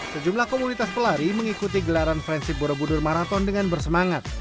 sejumlah komunitas pelari mengikuti gelaran friendship borobudur maraton dengan bersemangat